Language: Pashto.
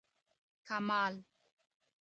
کمال